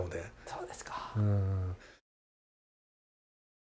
そうですか。